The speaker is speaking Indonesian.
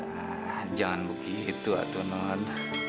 ya jangan begitu ya tuan non